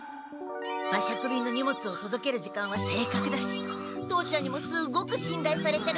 馬借便の荷物をとどける時間は正かくだし父ちゃんにもすごくしんらいされてるんだ！